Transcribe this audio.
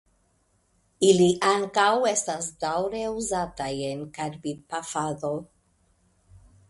Ili ankaŭ estas daŭre uzataj en karbidpafado.